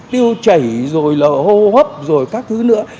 tiêu chảy rồi là hô hấp rồi các thứ nữa